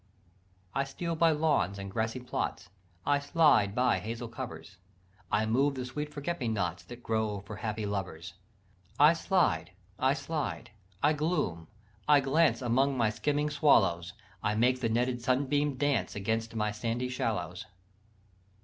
"I steal by lawns and grassy plots, I slide by hazel covers; I move the sweet forget me nots That grow for happy lovers. "I slide, I slide, I gloom, I glance, Among my skimming swallows; I make the netted sunbeam dance Against my sandy shallows.